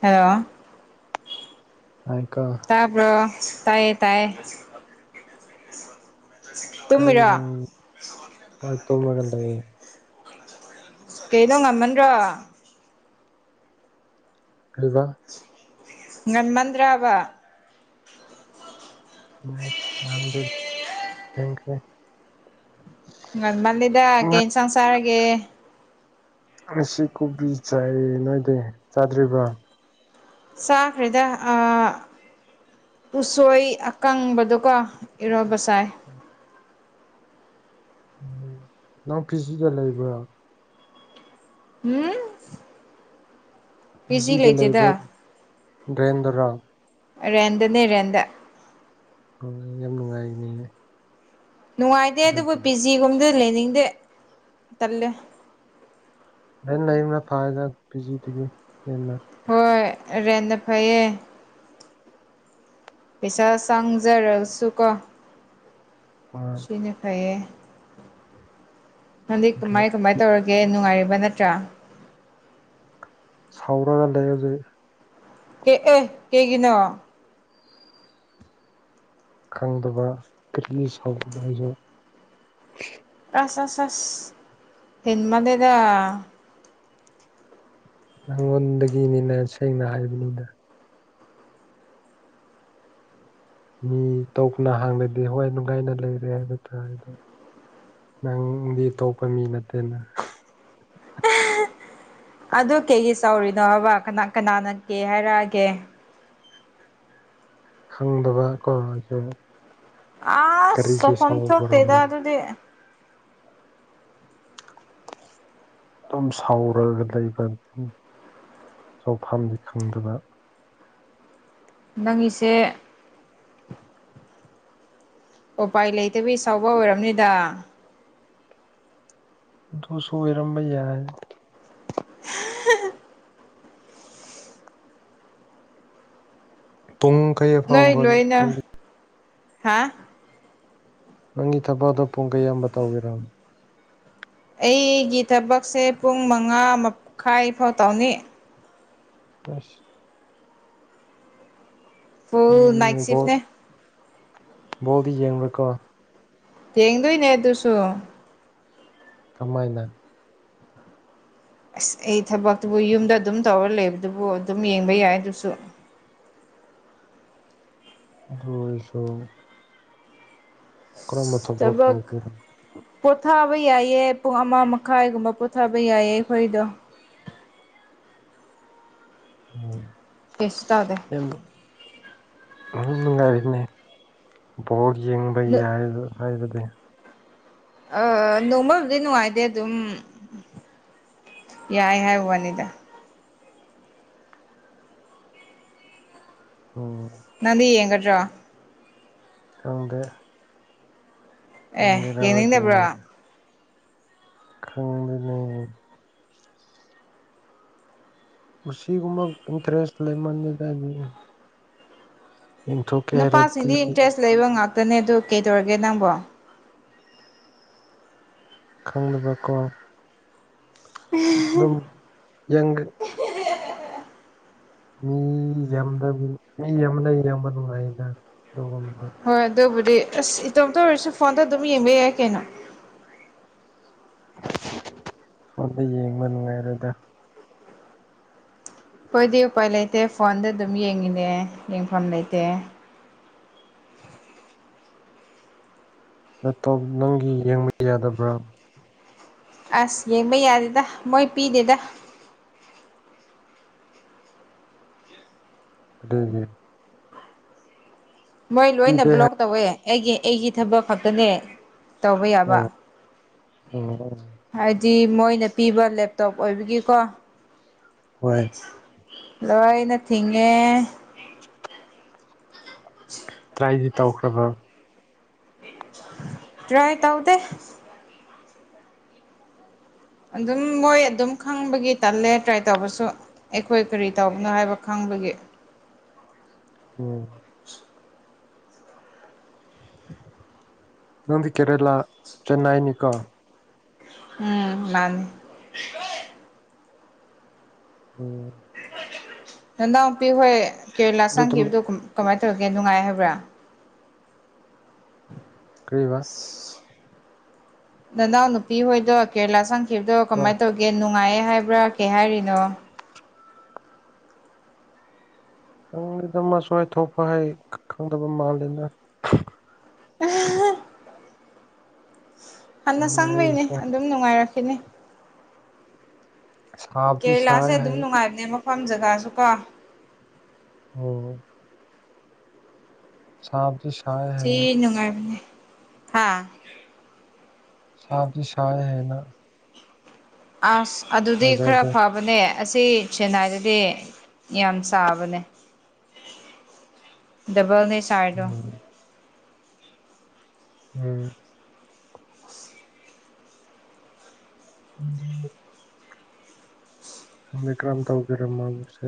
hello ꯇꯥꯏꯀꯣ ꯇꯥꯕꯔꯣ ꯇꯥꯏꯌꯦ ꯇꯥꯏꯌꯦ ꯀꯔꯤꯔꯣ ꯇꯨꯝꯃꯤꯔꯣ ꯍꯣꯏ ꯇꯨꯔꯒ ꯂꯩ ꯀꯅꯣ ꯉꯝꯃꯟꯗ꯭ꯔꯣ ꯀꯩꯕꯥ ꯉꯟꯃꯟꯗ꯭ꯔꯥꯕ ꯑꯁ ꯉꯟꯗꯦ ꯊꯦꯡꯈꯔꯦ ꯉꯟꯃꯜꯔꯦꯗ ꯀꯩ ꯏꯟꯁꯥꯡ ꯆꯥꯔꯥꯒꯦ ꯉꯁꯤ ꯀꯣꯕꯤ ꯆꯥꯏꯌꯦ ꯅꯣꯏꯗꯤ ꯆꯥꯗ꯭ꯔꯤꯕ꯭ꯔꯥ ꯆꯥꯈ꯭ꯔꯦꯗ ꯑꯥ ꯎꯁꯣꯏ ꯑꯀꯪꯕꯗꯣꯀꯣ ꯏꯔꯣꯝꯕ ꯆꯥꯏ [inaudible] ꯎꯝ ꯅꯪ ꯄꯤꯖꯤꯗ ꯂꯩꯕ꯭ꯔꯥ ꯎꯝ ꯄꯤ ꯄꯤꯖꯤ ꯖꯤꯗ ꯂꯩꯕ ꯂꯩꯇꯦꯗ ꯗ꯭ꯔꯦꯟꯗꯔꯥ ꯔꯦꯟꯗ ꯗꯅꯦ ꯔꯦꯟꯗ ꯗ ꯑꯣ ꯌꯥꯝ ꯅꯨꯡꯉꯥꯏꯅꯤꯅꯦ ꯅꯨꯡꯉꯥꯏꯇꯦ ꯑꯗꯨꯕꯨ ꯑꯗꯨꯗꯤ ꯄꯤ ꯖꯤ ꯒꯨꯝꯕꯗ ꯂꯩꯅꯤꯡꯗꯦ ꯇꯜꯂꯦ ꯂꯩꯅ ꯂꯩꯕꯅ ꯐꯥꯗ ꯄꯤ ꯖꯤ ꯗꯨꯗꯒꯤ ꯍꯦꯟꯅ ꯍꯣꯏ ꯔꯦꯟꯅ ꯐꯩꯌꯦ ꯄꯩꯁꯥ ꯁꯪꯖꯔꯥꯁꯨꯀꯣ ꯍꯣꯏ ꯁꯤꯅꯥ ꯐꯥꯌꯦ ꯍꯪꯗꯤꯛ ꯀꯃꯥꯏ ꯀꯃꯥꯏꯅ ꯇꯧꯔꯒꯦ ꯅꯨꯡꯉꯥꯏꯔꯤꯕ ꯅꯠꯇ꯭ꯔꯥ ꯁꯥꯎꯔꯒ ꯂꯩ ꯍꯧꯖꯤꯛ ꯑꯦ ꯑꯦ ꯀꯩꯒꯤꯅꯣ ꯈꯪꯗꯕ ꯀꯔꯤ [unintelligible] ꯑꯁ ꯑꯁ ꯑꯁ ꯍꯦꯟꯃꯜꯔꯦꯗ ꯅꯪꯉꯣꯟꯗꯒꯤꯅꯤꯅ ꯁꯦꯡꯅ ꯍꯥꯏꯕꯅꯤꯗ ꯃꯤ ꯇꯣꯄꯅ ꯍꯪꯔꯗꯤ ꯍꯣꯏ ꯅꯨꯡꯉꯥꯏꯅ ꯂꯩꯔꯦ ꯍꯥꯏꯕ ꯇꯥꯔꯦ ꯑꯗꯣ ꯅꯪꯗꯤ ꯑꯇꯣꯞꯄ ꯃꯤ ꯅꯠꯇꯦꯅ ꯑꯗꯨ ꯀꯩꯒꯤ ꯁꯥꯎꯔꯤꯅꯣ ꯍꯥꯏꯕꯥ ꯀꯅꯥ ꯀꯅꯥꯅ ꯀꯦ ꯍꯥꯏꯔꯛꯑꯒꯦ ꯈꯪꯗꯕ ꯀꯣꯁꯨ ꯑꯁ ꯁꯥꯎꯐꯝꯊꯣꯛꯇꯦꯗꯥ ꯁꯥꯎꯕ꯭ꯔꯣꯅ ꯑꯗꯨꯗꯤ ꯑꯗꯨꯝ ꯁꯥꯎꯔꯒ ꯂꯩꯕ ꯇꯧꯐꯝ ꯈꯪꯗꯕ ꯅꯪꯒꯤꯁꯦ ꯎꯄꯥꯏ ꯂꯩꯇꯕꯩ ꯁꯥꯎꯕ ꯑꯣꯏꯔꯝꯅꯤꯗ ꯑꯗꯨꯁꯨ ꯑꯣꯏꯔꯝꯕ ꯌꯥꯏ [inaudible] ꯄꯨꯡ ꯀꯌꯥ ꯅꯣꯏ ꯐꯥꯎꯕ ꯂꯣꯏꯅ ꯅꯪꯒꯤ ꯍꯥꯥ ꯅꯪꯒꯤ ꯊꯕꯛꯗꯣ ꯄꯨꯡ ꯀꯩꯌꯥꯝꯕ ꯇꯧꯒꯦꯔꯝꯅꯣ ꯑꯩꯒꯤ ꯊꯕꯛꯁꯦ ꯄꯨꯡ ꯃꯉꯥ ꯃꯈꯥꯏ ꯐꯥꯎ ꯇꯥꯎꯅꯤ ꯑꯁ ꯑꯣ ꯊꯦꯡꯉꯤꯅꯦ ꯅꯥꯏꯠꯁꯤꯞꯅꯦ ꯕꫭꯜꯗꯤ ꯌꯦꯡꯕꯀꯣ ꯌꯦꯡꯗꯣꯏꯅꯦ ꯑꯗꯨꯁꯨ ꯀꯃꯥꯏꯅ ꯑꯁ ꯑꯩ ꯊꯕꯛꯇꯨꯕꯨ ꯌꯨꯝꯗ ꯑꯗꯨꯝ ꯇꯧꯔ ꯂꯩꯕꯗꯨꯕꯨ ꯑꯗꯨꯝ ꯌꯦꯡꯕ ꯌꯥꯏ ꯑꯗꯨꯁꯨ ꯑꯗꯨ ꯑꯣꯏꯔꯁꯨ ꯀꯔꯝꯕ ꯊꯕꯛ ꯇꯧꯒꯦꯔ꯭ ꯄꯣꯊꯥꯕ ꯌꯥꯏꯌꯦ ꯄꯨꯡ ꯑꯃ ꯃꯈꯥꯏꯒꯨꯝꯕ ꯄꯣꯊꯥꯕ ꯌꯥꯏꯌꯦ ꯑꯩꯈꯣꯏꯗꯣ ꯎꯝ ꯀꯩꯁꯨ ꯇꯧꯗꯦ ꯃꯅꯨꯡꯉꯥꯏꯕꯤꯗꯅꯦ ꯕꯠ ꯌꯦꯡꯕ ꯌꯥꯏ ꯍꯥꯏꯕꯗꯤ ꯑ ꯅꯣꯡꯃꯕꯨꯗꯤ ꯅꯨꯡꯉꯥꯏꯇꯦ ꯑꯗꯨꯝ ꯌꯥꯏ ꯍꯥꯏ ꯋꯥꯅꯤꯗ ꯎꯝ ꯅꯪꯗꯤ ꯌꯦꯡꯒꯗ꯭ꯔꯣ ꯈꯪꯗꯦ ꯑꯦ ꯆꯪꯒꯦꯔꯥ ꯌꯦꯡꯅꯤꯡꯗꯕ꯭ꯔꯣ ꯌꯦꯡꯉꯒ ꯈꯪꯗꯦꯅꯦ ꯑꯁꯤꯒꯨꯝꯕ ꯏꯟꯇꯔꯦꯁ ꯂꯩꯃꯟꯗꯦꯗꯗꯤ ꯍꯥꯏꯔꯗꯤ ꯅꯨꯄꯥꯁꯤꯡꯗꯤ ꯏꯟꯇꯔꯦꯁ ꯂꯩꯕ ꯉꯥꯛꯇꯅꯦ ꯑꯗꯨ ꯀꯩꯗꯧꯔꯒꯦ ꯅꯪꯕꯣ ꯈꯪꯅꯕꯀꯣ ꯑꯗꯨꯝ ꯌꯦꯡ ꯃꯤ ꯌꯥꯝꯗꯕꯤ ꯃꯤ ꯌꯝꯃꯒꯅꯥ ꯌꯦꯡꯕꯥ ꯅꯨꯡꯉꯥꯏꯅ ꯑꯗꯨꯒꯨꯝꯕꯗꯤ ꯍꯣꯏ ꯑꯗꯨꯕꯨꯗꯤ ꯑꯁ ꯏꯇꯣꯝꯇ ꯑꯣꯏꯔꯁꯨ ꯐꯣꯟꯗ ꯑꯗꯨꯝ ꯌꯦꯡꯕ ꯌꯥꯏ ꯀꯩꯅꯣ ꯐꯣꯟꯗ ꯌꯦꯡꯕ ꯅꯨꯡꯉꯥꯏꯔꯣꯏꯗ ꯈꯣꯏꯗꯤ ꯎꯄꯥꯏ ꯂꯩꯇꯦ ꯐꯣꯟꯗ ꯑꯗꯨꯝ ꯌꯦꯡꯉꯤꯅꯦ ꯌꯦꯡꯐꯝ ꯂꯩꯇꯦ ꯂꯦꯞꯇꯣꯞ ꯅꯪꯒꯤ ꯌꯦꯡꯕ ꯌꯥꯗꯕ꯭ꯔꯥ ꯑꯁ ꯌꯦꯡꯕ ꯌꯥꯗꯦꯗ ꯃꯣꯏ ꯄꯤꯗꯦꯗ ꯑꯗꯨꯦ [inaudible] ꯃꯣꯏ ꯂꯣꯏꯅ ꯄꯤꯗꯦ ꯍꯥꯏ ꯕ꯭ꯂꯣꯛ ꯇꯧꯋꯦ ꯑꯩꯒꯤ ꯑꯩꯒꯤ ꯊꯕꯛ ꯈꯛꯇꯅꯦ ꯇꯧꯕ ꯌꯥꯕ ꯑꯣ ꯑꯣ ꯍꯥꯏ ꯗꯤ ꯃꯣꯏꯅ ꯄꯤꯕ ꯂꯦꯞꯇꯣꯞ ꯑꯣꯏꯕꯒꯤꯀꯣ ꯍꯣꯏ ꯂꯣꯏꯅ ꯊꯤꯡꯉꯦ [inaudible] [inaudible] ꯇ꯭ꯔꯥꯏꯗꯤ ꯇꯧꯈ꯭ꯔꯕ ꯇꯔꯌ ꯇꯥꯎꯗ ꯑꯗꯨꯝ ꯃꯣꯏ ꯑꯗꯨꯝ ꯈꯪꯕꯒꯤ ꯇꯜꯂꯦ ꯇ꯭ꯔꯥꯏ ꯇꯧꯕꯁꯨ ꯑꯩꯈꯣꯏ ꯀꯔꯤ ꯇꯧꯕꯅꯣ ꯍꯥꯏꯕ ꯈꯪꯕꯒꯤ ꯎꯝ [inaudible] ꯅꯪꯗꯤ ꯀꯦꯔꯂꯥ ꯆꯦꯟꯅꯥꯏꯅꯤꯀꯣ ꯎꯝ ꯃꯥꯅꯤ ꯎꯝ ꯅꯅꯥꯎ ꯅꯨꯨꯄꯤ ꯍꯣꯏ ꯀꯦꯔꯦꯂꯥ ꯑꯗꯨ ꯇꯨꯝ ꯆꯪꯈꯤꯕꯗꯣ ꯀꯃꯥꯏꯅ ꯇꯧꯔꯒꯦ ꯅꯨꯡꯉꯥꯏ ꯍꯥꯏꯕ꯭ꯔꯥ ꯀ꯭ꯔꯤꯕ ꯅꯅꯥꯎ ꯅꯨꯄꯤ ꯍꯣꯏꯗꯣ ꯀꯦꯔꯂꯥ ꯁꯪꯈꯤꯕꯗꯣ ꯑꯣ ꯀꯃꯥꯏꯅ ꯇꯧꯒꯦ ꯅꯦꯠ ꯅꯨꯡꯉꯥꯏꯑꯦ ꯍꯥꯏꯕ꯭ꯔꯥ ꯀꯩ ꯍꯥꯏꯔꯤꯅꯣ ꯈꯪꯗꯦꯗ ꯃꯁꯨ ꯃꯥꯢ ꯊꯣꯛꯄ ꯍꯥꯢ ꯈꯪꯗꯕ ꯃꯥꯂꯦꯗ ꯑ [inaudible] ꯍꯟꯅ ꯆꯪꯕꯩꯅꯤ ꯉꯥꯏꯁ ꯑꯗꯨꯝ ꯅꯨꯡꯉꯥꯏꯔꯛꯈꯤꯅꯤ ꯁꯥꯕꯗꯤ ꯀꯦꯔꯦꯂꯥꯁꯦ ꯁꯥꯏ ꯑꯗꯨꯝ ꯍꯥꯏ ꯅꯨꯡꯉꯥꯏꯕꯅꯦ ꯃꯐꯝ ꯖꯒꯥꯁꯨ ꯀꯣ ꯑꯝ ꯁꯥꯕꯗꯤ ꯁꯥꯢ ꯊꯤꯅ ꯅꯨꯡꯉꯥꯏꯕꯅꯦ ꯍꯥꯥ ꯁꯥꯕꯗꯤ ꯁꯥꯢ ꯍꯥꯏꯕ ꯑꯁ ꯑꯗꯨꯗꯤ ꯈꯔ ꯋꯦꯗꯔꯗꯣ ꯐꯕ ꯐꯕꯅꯦ ꯑꯁꯤ ꯆꯦꯟꯅꯥꯏꯗꯗꯤ ꯌꯥꯝ ꯁꯥꯕꯅꯦ ꯗꯕꯥꯜ ꯅꯦ ꯁꯥꯏꯗꯣ ꯎꯝ ꯎꯝ ꯑꯗꯨ ꯈꯪꯗꯦ ꯀꯔꯝ ꯇꯧꯒꯦꯔ ꯃꯥꯒꯤꯁꯦ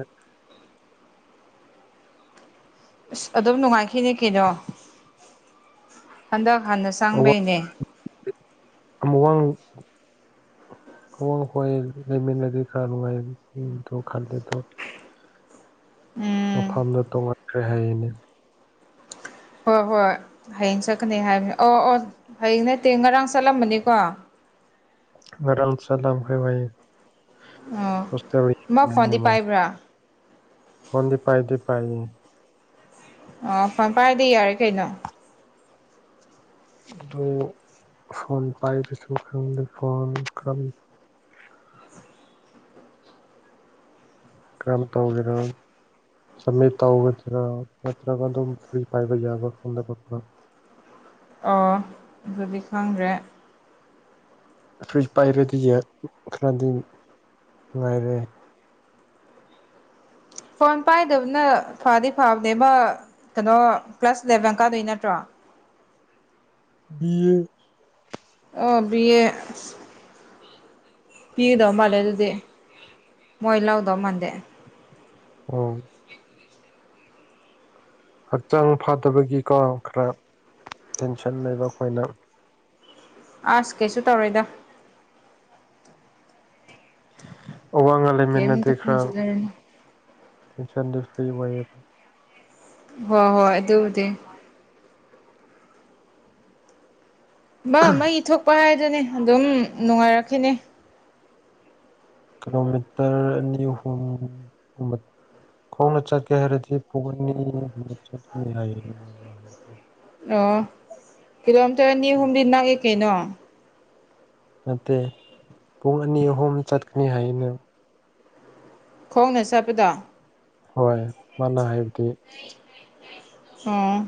ꯑꯁ ꯑꯗꯨꯝ ꯅꯨꯡꯉꯥꯏꯈꯤꯅꯤ ꯀꯩꯅꯣ ꯍꯟꯗꯛ ꯍꯥꯟꯅ ꯆꯪꯕꯩꯅꯦ ꯑꯃ ꯋꯥꯡ [inaudible] ꯑꯋꯥꯡ ꯍꯣꯏ ꯂꯩꯃꯤꯟꯅꯔꯗꯤ ꯈꯔ ꯅꯨꯡꯉꯥꯏ ꯈꯜꯂꯦꯗꯣ ꯎꯝ ꯃꯐꯝꯗꯣ ꯇꯣꯡꯉꯟꯈ꯭ꯔꯦ ꯍꯥꯏꯌꯦꯅꯦ ꯍꯣꯏ ꯍꯣꯏ ꯍꯌꯦꯡ ꯆꯠꯀꯅꯤ ꯍꯥꯏꯕꯅꯤ ꯑꯣ ꯑꯣ ꯍꯌꯦꯡ ꯅꯠꯇꯦ ꯉꯔꯥꯡ ꯆꯠꯂꯝꯕꯅꯤꯀꯣ ꯉꯔꯥꯡ ꯆꯠꯂꯝꯈ꯭ꯔꯦ ꯍꯥꯢ ꯑꯣ ꯃ ꯍꯥꯏꯌꯦ ꯐꯣꯟꯗꯤ ꯄꯥꯏꯕ꯭ꯔꯥ ꯃꯥꯗꯤ ꯄꯥꯏꯗꯤ ꯄꯥꯏꯌꯦ ꯑꯣ ꯐꯣꯜ ꯄꯥꯏꯔꯗꯤ ꯌꯥꯔꯦ ꯀꯩꯅꯣ ꯑꯗꯨ ꯐꯣꯟ ꯄꯥꯏꯕꯁꯨ ꯈꯪꯗꯦ ꯐꯣꯟ ꯀꯔꯝ ꯀꯔꯝ ꯇꯧꯒꯦꯔꯣ ꯁꯝꯃꯤꯠ ꯇꯧꯒꯗ꯭ꯔꯥ ꯅꯠꯇ꯭ꯔꯒ ꯑꯗꯨꯝ ꯐ꯭ꯔꯤ ꯄꯥꯏꯕ ꯌꯥꯕ ꯈꯪꯗꯕ ꯑꯣ ꯗꯨꯗꯤ ꯈꯪꯗ꯭ꯔꯦ ꯐ꯭ꯔꯤꯖ ꯄꯥꯏꯔꯗꯤ ꯈꯔꯗꯤ ꯉꯥꯏꯔꯦ ꯐꯣꯟ ꯄꯥꯏꯗꯕꯅ ꯐꯗꯤ ꯐꯕꯅꯦꯕ ꯀꯩꯅꯣ ꯀ꯭ꯂꯥꯁ ꯏꯂꯚꯦꯟ ꯀꯥꯗꯣꯏ ꯅꯠꯇ꯭ꯔꯣ ꯎꯝ ꯑꯣ ꯕꯤ ꯑꯦ ꯄꯤꯒꯗꯧ ꯃꯥꯜꯂꯦ ꯑꯗꯨꯗꯤ ꯃꯣꯏ ꯂꯧꯗꯧ ꯃꯥꯜꯗꯦ ꯑꯝ ꯍꯛꯆꯥꯡ ꯐꯠꯗꯕꯒꯤꯀꯣ ꯈꯔ ꯇꯦꯟꯁꯟ ꯂꯩꯕ ꯑꯩꯈꯣꯏꯅ ꯑꯁ ꯀꯩꯁꯨ ꯇꯧꯔꯣꯏꯗꯣ ꯑꯋꯥ ꯉ ꯂꯩꯃꯤꯟꯅꯗꯤ ꯀꯩꯝꯇ ꯈꯔ ꯈꯟꯖꯤꯟꯅꯔꯨꯅꯨ ꯇꯦꯟꯁꯟꯗꯤ ꯐ꯭ꯔꯤ ꯑꯣꯏꯌꯦꯕ ꯍꯣꯏ ꯍꯣꯏ ꯑꯗꯨꯕꯨꯗꯤ ꯑꯃ ꯃꯩ ꯊꯣꯛꯄ ꯍꯥꯏꯗꯨꯅꯦ ꯑꯗꯨꯝ ꯅꯨꯡꯉꯥꯏꯔꯛꯈꯤꯅꯦ ꯀꯤꯂꯣꯃꯤꯇꯔ ꯑꯅꯤ ꯑꯍꯨꯝ ꯈꯣꯡꯅ ꯆꯠꯀꯦ ꯍꯥꯏꯔꯗꯤ ꯄꯨꯡ ꯑꯅꯤꯒꯨꯝꯕ ꯆꯠꯀꯅꯤ ꯍꯥꯏꯌꯦꯅ ꯃꯥ ꯍꯥꯏꯔꯗꯤ ꯑꯣ ꯀꯤꯂꯣꯃꯤꯇꯔ ꯑꯅꯤ ꯍꯨꯝꯗꯤ ꯅꯛꯏ ꯀꯩꯅꯣ ꯅꯠꯇꯦ ꯄꯨꯡ ꯑꯅꯤ ꯑꯍꯨꯝ ꯆꯠꯀꯅꯤ ꯍꯥꯏꯌꯦꯅ ꯈꯣꯡꯅ ꯆꯠꯄꯗꯣ ꯍꯣꯏ ꯃꯥꯅ ꯍꯥꯏꯕꯗꯤ [inaudible] ꯑꯣ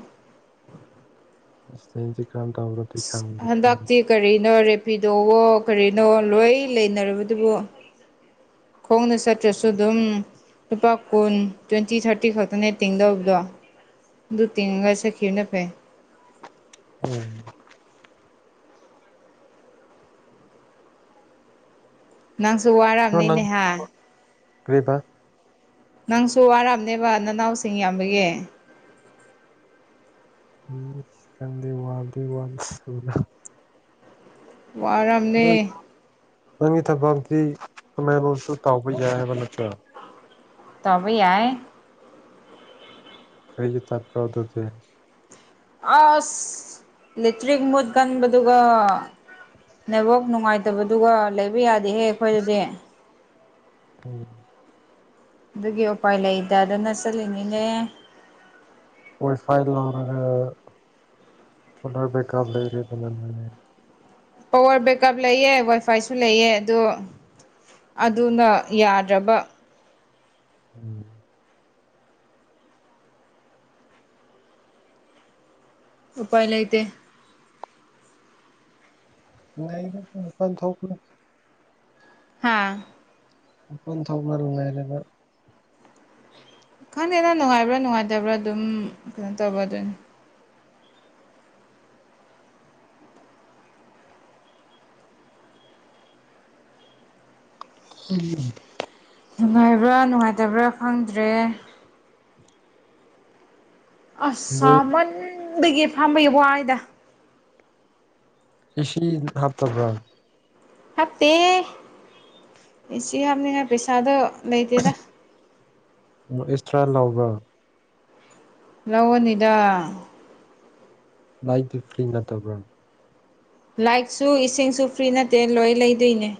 [unintelligible] ꯇꯕ꯭ꯔꯗꯤ ꯈꯪꯗꯤ ꯈꯪꯗꯦ ꯍꯟꯗꯛꯇꯤ ꯀꯔꯤꯅꯣ ꯔꯦꯐꯤꯗꯣꯋꯣ ꯀꯔꯤꯅꯣ ꯂꯣꯏ ꯂꯩꯅꯔꯕꯗꯨꯕꯨ ꯈꯣꯡꯅ ꯆꯠꯇ꯭ꯔꯁꯨ ꯑꯗꯨꯝ ꯂꯨꯄꯥ ꯀꯨꯟ ꯇ꯭ꯋꯦꯟꯇꯤ ꯊꯥꯔꯇꯤ ꯈꯛꯇꯅꯦ ꯇꯦꯡꯗꯧꯕꯗꯣ ꯗꯨ ꯇꯤꯡꯉꯒ ꯆꯠꯈꯤꯕꯅ ꯐꯩ ꯎꯝ ꯅꯪꯁꯨ ꯋꯥꯔꯝꯅꯤꯅꯦꯍꯥ ꯀ꯭ꯔꯤꯕ ꯅꯪꯁꯨ ꯋꯥꯔꯝꯅꯦꯕ ꯅꯅꯥꯎꯁꯤꯡ ꯌꯥꯝꯕꯒꯤ ꯏꯁ ꯈꯪꯗꯦ ꯋꯥꯕꯗꯤ ꯋꯥꯟꯁ ꯁꯨꯅ ꯋꯥꯔꯝꯅꯤ ꯅꯪ ꯅꯪꯒꯤ ꯊꯕꯛꯇꯤ [unintelligible] ꯇꯥꯎꯕ ꯌꯥꯏ ꯍꯥꯏꯕ ꯅꯠꯇ꯭ꯔꯣ ꯇꯧꯕ ꯌꯥꯏ ꯀꯔꯤꯒꯤ ꯆꯠꯄ꯭ꯔꯣ ꯑꯗꯨꯗꯤ ꯑꯁ ꯏꯂꯦꯇ꯭ꯔꯤꯛ ꯃꯨꯠ ꯀꯟꯕꯗꯨꯒ ꯅꯦꯠꯋꯥꯛ ꯅꯨꯡꯉꯥꯏ ꯇꯕꯗꯨꯒ ꯂꯩꯕ ꯌꯥꯗꯦꯍꯦ ꯑꯩꯈꯣꯏꯗꯗꯤ ꯎꯝ ꯑꯗꯨꯒꯤ ꯎꯄꯥꯏ ꯂꯩꯇꯗꯅ ꯆꯠꯂꯤꯅꯤꯅꯦ ꯋꯥꯏꯐꯥꯏ ꯂꯧꯔꯒ ꯁꯣꯂꯔ ꯕꯦꯛꯀꯞ ꯂꯩꯔꯤ [unintelligible] ꯄꯋꯥꯔ ꯕꯦꯛꯀꯞ ꯂꯩꯌꯦ ꯋꯥꯏꯐꯥꯏꯁꯨ ꯂꯩꯌꯦ ꯑꯗꯣ ꯑꯗꯨꯅ ꯌꯥꯗ꯭ꯔꯕ ꯎꯝ ꯎꯄꯥꯏ ꯂꯩꯇꯦ [unintelligible] ꯍꯥꯥ ꯃꯄꯟ [unintelligible] ꯂꯩꯔꯦꯗ ꯈꯪꯗꯦꯗ ꯅꯨꯡꯉꯥꯏꯕ꯭ꯔꯥ ꯅꯨꯡꯉꯥꯏꯇꯕ꯭ꯔꯥ ꯑꯗꯨꯝ ꯀꯩꯅꯣ ꯇꯧꯕ ꯑꯗꯨꯅꯤ ꯎꯝ ꯅꯨꯡꯉꯥꯏꯕ꯭ꯔꯥ ꯅꯨꯡꯉꯥꯏꯇꯕ꯭ꯔꯥ ꯈꯪꯗ꯭ꯔꯦ ꯑꯁ ꯅꯣꯏ ꯁꯥꯃꯟꯕꯒꯤ ꯐꯥꯝꯕꯩ ꯋꯥꯏꯗ ꯑꯦꯁꯤ ꯍꯥꯞꯇꯕ꯭ꯔ ꯍꯥꯞꯇꯦ ꯑꯦꯁꯤ ꯍꯥꯞꯅꯤꯡꯉꯥꯏ ꯄꯩꯁꯥꯗꯣ ꯂꯩꯇꯦꯗ ꯑꯣ ꯑꯦꯛꯁꯇ꯭ꯔꯥ ꯂꯥꯎꯕ꯭ꯔ‌ꯣ ꯂꯧꯒꯅꯤꯗ ꯅꯥꯏꯠ ꯗ꯭ꯌꯨꯇꯤ ꯅꯠꯇꯕ꯭ꯔ ꯂꯥꯏꯠꯁꯨ ꯏꯁꯤꯡꯁꯨ ꯐ꯭ꯔꯤ ꯅꯠꯇꯦ ꯂꯣꯏ ꯂꯩꯗꯣꯏꯅꯦ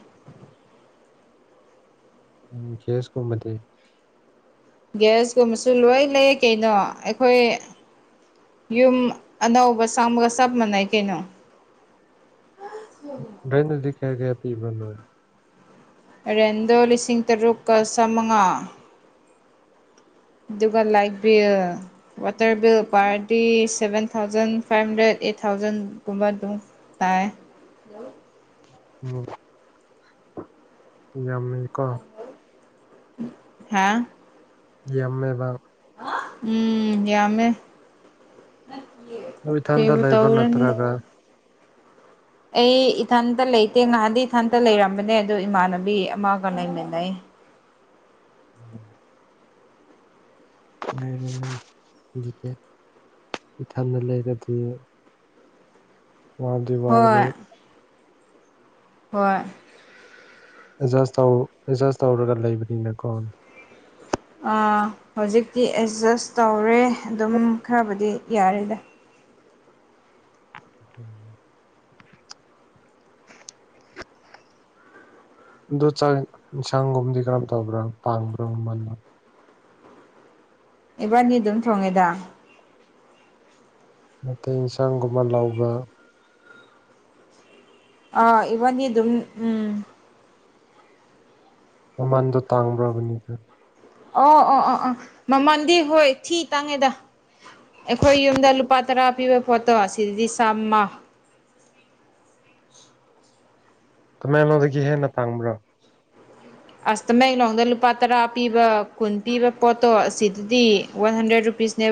ꯎꯝ ꯒ꯭ꯌꯥꯁ ꯀꯨꯝꯕꯗꯤ ꯒ꯭ꯌꯥꯁꯀꯨꯝꯕꯁꯨ ꯂꯣꯏ ꯂꯩꯌꯦ ꯀꯩꯅꯣ ꯑꯩꯈꯣꯏ ꯌꯨꯝ ꯑꯅꯧꯕ ꯁꯥꯡꯕꯒ ꯆꯞ ꯃꯥꯟꯅꯩ ꯀꯩꯅꯣ ꯗ꯭ꯔꯦꯟꯗꯗꯤ ꯀꯌꯥ ꯀꯌꯥ ꯄꯤꯕ ꯅꯣꯏ ꯔꯦꯟꯗꯣ ꯂꯤꯁꯤꯡ ꯇꯔꯨꯛꯀ ꯆꯝꯃꯉꯥ ꯑꯗꯨꯒ ꯂꯥꯏꯠ ꯕꯤꯜ ꯋꯥꯇꯔ ꯕꯤꯜ ꯄꯥꯔꯗꯤ seven thousand five hundred eight ꯊꯥꯎꯖꯟꯒꯨꯝꯕ ꯑꯗꯨꯝ ꯇꯥꯏ ꯎꯝ ꯌꯥꯝꯃ‌ꯦꯀ‌ꯣ ꯍꯥ ꯌꯥꯝꯃꯦꯕ ꯎꯝ ꯌꯥꯝꯃꯦ ꯑꯗꯨ ꯏꯊꯟꯗ ꯀꯩꯕꯨ ꯂꯩꯕ꯭ꯔꯥ ꯇꯧꯔꯨꯅꯤ ꯅꯠꯇ꯭ꯔꯒ ꯑꯩ ꯏꯊꯟꯇ ꯂꯩꯇꯦ ꯉꯍꯥꯟꯗꯤ ꯏꯊꯟꯇ ꯂꯩꯔꯝꯕꯅꯦ ꯑꯗꯨ ꯏꯃꯥꯟꯅꯕꯤ ꯑꯃꯒ ꯂꯩꯃꯤꯟꯅꯩ [unintelligible] ꯏꯊꯟꯗ ꯂꯩꯔꯗꯤ ꯋꯥꯗꯤ ꯋꯥꯒꯅꯤ ꯍꯣꯏ ꯍꯣꯏ ꯑꯦꯗꯖꯁ ꯇꯧ ꯑꯦꯗꯖꯁ ꯇꯧꯔꯒ ꯂꯩꯕꯅꯤꯅꯀꯣ ꯑꯥ ꯍꯧꯖꯤꯛꯇꯤ ꯑꯦꯠꯖꯁ ꯇꯧꯔꯦ ꯑꯗꯨꯝ ꯈꯔꯕꯨꯗꯤ ꯌꯥꯔ‌ꯦꯗ [inaudible] ꯑꯗꯨ ꯆꯥꯛ ꯏꯟꯁꯥꯡꯒꯨꯝꯕꯗꯤ ꯀꯔꯝ ꯇꯧꯕ꯭ꯔꯥ ꯄꯥꯡꯕ꯭ꯔꯣ ꯃ‌ꯣꯏꯅ ꯏꯕꯥꯅꯤ ꯑꯗꯨꯝ ꯊꯣꯡꯉꯦꯗ ꯅꯠꯇ‌ꯦ ꯏꯟꯁꯥꯡꯒꯨꯝꯕ ꯂꯧꯕ ꯑ ꯏꯕꯅꯤ ꯑꯗꯨꯝ ꯎꯝ ꯃꯃꯟꯗꯣ ꯇꯥꯡꯕ꯭ꯔ [inaudible] ꯑꯣ ꯑꯣ ꯑꯣ ꯑꯣ ꯃꯃꯜꯗꯤ ꯍꯣꯏ ꯊꯤ ꯇꯥꯡꯉꯦꯗ ꯑꯩꯈꯣꯏ ꯌꯨꯝꯗ ꯂꯨꯄꯥ ꯇꯔꯥ ꯄꯤꯕ ꯄꯣꯠꯇꯣ ꯑꯁꯤꯗꯗꯤ ꯆꯥꯝꯃ ꯇꯥꯃꯦꯡꯂ‌ꯣꯡꯗꯒꯤ ꯍꯦꯟꯅ ꯇꯥꯡꯕ꯭ꯔꯥ ꯑꯁ ꯇꯃꯦꯡꯂꯣꯡꯗ ꯂꯨꯄꯥ ꯇꯔꯥ ꯄꯤꯕ ꯀꯨꯟ ꯄꯤꯕ ꯄꯣꯠꯇꯣ ꯑꯁꯤꯗꯗꯤ ꯋꯥꯟ ꯍꯟꯗ꯭ꯔꯦꯗ ꯔꯨꯄꯤꯁꯅꯦ